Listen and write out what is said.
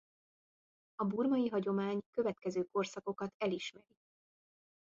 A burmai hagyomány következő korszakokat elismeri.